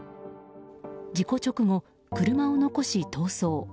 事故直後、車を残し逃走。